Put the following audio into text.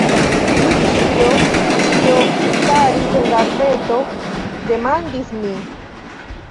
Ĉu cio tio staris en gazeto? demandis mi.